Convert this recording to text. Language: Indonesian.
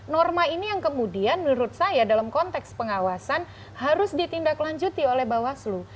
norma ini yang kemudian menurut saya dalam konteks pengawasan harus ditindaklanjuti oleh bawaslu